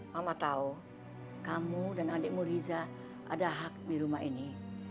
mama tahu kamu dan adikmu riza ada hak di rumah ini